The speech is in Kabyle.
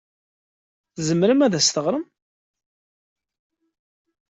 Tzemrem ad as-teɣrem?